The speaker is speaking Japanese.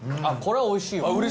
あっこれはおいしいわ。